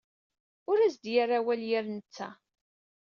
Ur as-d yerra awal yir netta.